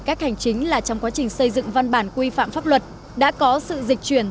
cách hành chính là trong quá trình xây dựng văn bản quy phạm pháp luật đã có sự dịch chuyển